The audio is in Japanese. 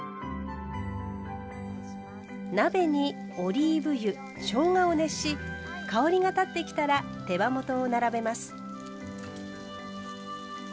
鍋にオリーブ油しょうがを熱し香りが立ってきたら手羽元を並べます。